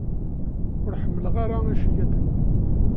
Ur ḥemmleɣ ara iceyyaten.